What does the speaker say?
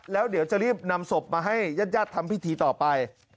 แล้วเดี๋ยวจะรีบนำศพมาให้ญาติทำพิธีต่อไป